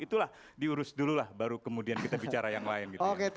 itulah diurus dulu lah baru kemudian kita bicara yang lain gitu